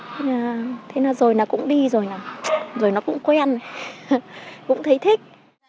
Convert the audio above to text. thế là thế là rồi nó cũng đi rồi rồi nó cũng quen cũng thấy thích